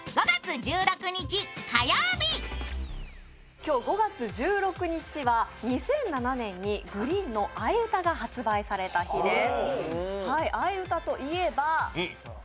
今日５月１６日は２００７年にＧＲｅｅｅｅＮの「愛唄」が発売された日です。